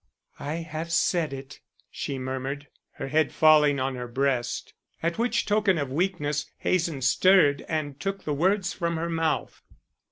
"I have said it," she murmured, her head falling on her breast. At which token of weakness, Hazen stirred and took the words from her mouth.